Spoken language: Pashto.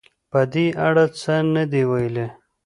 په دې اړه څه نه دې ویلي